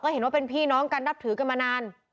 เห็นว่าเป็นพี่น้องกันนับถือกันมานาน